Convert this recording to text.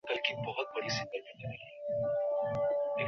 শুনতে বেশ মজাদার লাগছে।